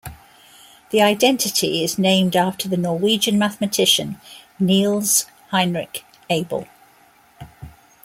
The identity is named after the Norwegian mathematician Niels Henrik Abel.